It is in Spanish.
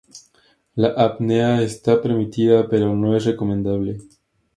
La apnea está permitida, pero no es recomendable.